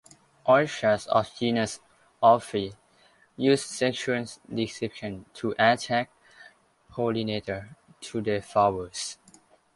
Orchids of the genus "Ophrys" use sexual deception to attract pollinators to their flowers.